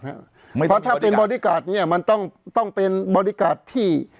เพราะถ้าเป็นบอดี้การ์ดเนี่ยมันต้องเป็นบริการ์ดที่